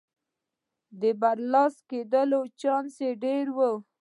د برلاسه کېدو چانس یې ډېر و.